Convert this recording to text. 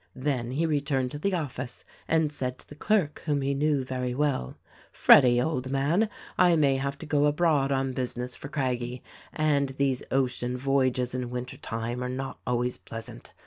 Then he returned to the office and said to the clerk, whom he knew very well: "Freddy, old man, I may have to go abroad on business for Craggie, and these ocean voyages in winter time are not always pleasant.